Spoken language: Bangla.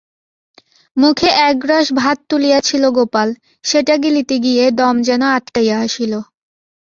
মুখে একগ্রাস ভাত তুলিয়াছিল গোপাল, সেটা গিলিতে গিয়ে দম যেন আটকাইয়া আসিল।